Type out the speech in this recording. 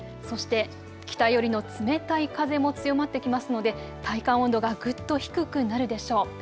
そして北寄りの冷たい風も強まってきますので体感温度がぐっと低くなるでしょう。